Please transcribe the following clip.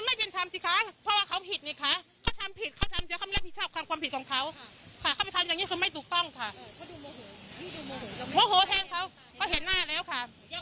มันหน้าไม่โหดเที่ยมแต่ว่าจิตใจโหดเที่ยมค่ะ